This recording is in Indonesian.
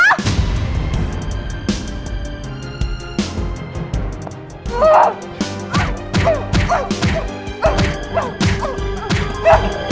aku mau paham